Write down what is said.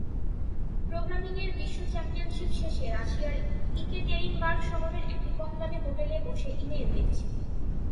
প্রোগ্রামিংয়ের বিশ্ব চ্যাম্পিয়নশিপ শেষে রাশিয়ার ইকেটেরিনবার্গ শহরের একটি কমদামি হোটেলে বসে ই-মেইল দেখছি।